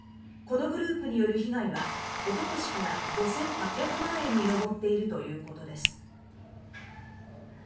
このグループによる被害はおととしから５８００万円に上っているということです。